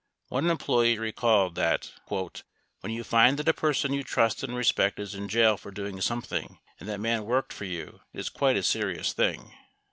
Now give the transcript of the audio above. One employee recalled that "when you find that a person you trust and respect is in jail for doing something and that man worked for you, it is quite a serious thing."